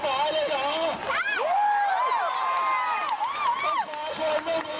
โดยผู้ชื่อกำลังขอคำเดิน